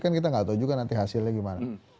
kan kita nggak tahu juga nanti hasilnya gimana